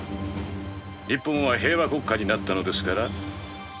日本は平和国家になったのですから。